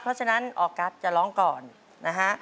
เพราะฉะนั้นออกัสจะร้องก่อนนะฮะ